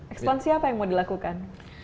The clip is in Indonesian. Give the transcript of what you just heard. ekspansi apa yang mau dilakukan